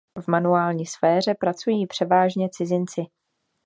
V manuální sféře pracují převážně cizinci.